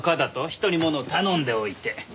人にものを頼んでおいて。